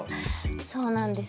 そうなんです。